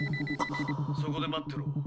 そこで待ってろ。